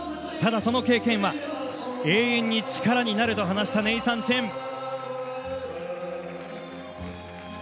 ただその経験は永遠に力になると話したネイサン・チェン。